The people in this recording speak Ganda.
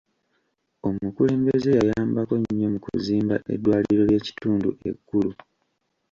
Omukulembeze yayambako nnyo mu kuzimba eddwaliro ly'ekitundu ekkulu.